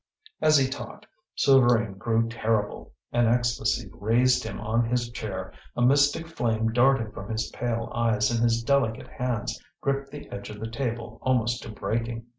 As he talked, Souvarine grew terrible. An ecstasy raised him on his chair, a mystic flame darted from his pale eyes, and his delicate hands gripped the edge of the table almost to breaking.